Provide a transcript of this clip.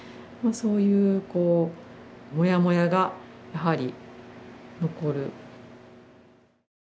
まあそういうモヤモヤがやはり残る。